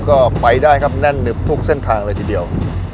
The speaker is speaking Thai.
ก็ไปได้ครับแน่นหนึบทุกเส้นทางเลยทีเดียว